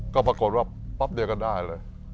ก็ปรากฏว่าป๊อบนี้ก็ได้เลย